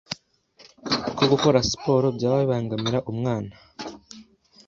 ko gukora siporo byaba bibangamira umwana.